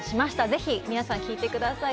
ぜひ皆さん、聞いてください。